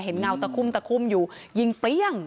เงาตะคุ่มตะคุ่มอยู่ยิงเปรี้ยง